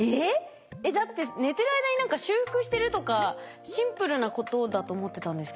えっ？だって寝てる間に何か修復してるとかシンプルなことだと思ってたんですけど。